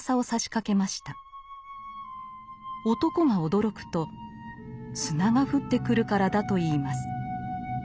男が驚くと砂が降ってくるからだといいます。